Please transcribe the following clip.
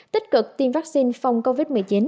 tích cực tiêm vaccine